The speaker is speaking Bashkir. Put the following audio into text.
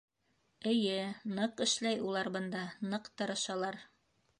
Эйе, ныҡ эшләй улар бында, ныҡ тырышалар.